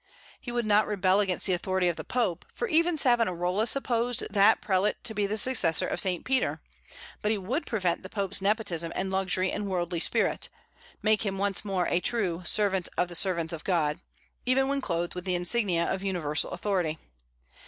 He would not rebel against the authority of the Pope, for even Savonarola supposed that prelate to be the successor of Saint Peter; but he would prevent the Pope's nepotism and luxury and worldly spirit, make him once more a true "servant of the servants of God," even when clothed with the insignia of universal authority.